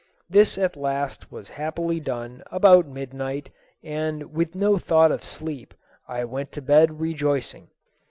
This at last was happily done about midnight, and with no thought of sleep I went to bed rejoicing.